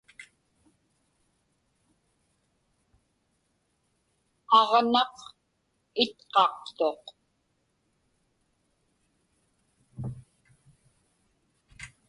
Aġnaq itqaqtuq.